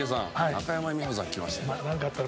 中山美穂さん来ましたよ。